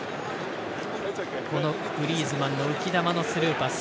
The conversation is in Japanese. このグリーズマンの浮き球のスルーパス。